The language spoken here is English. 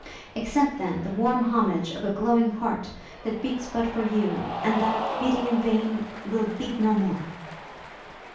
Accept, then, the warm homage of a glowing heart, that beats but for you; and that, beating in vain, will beat no more!'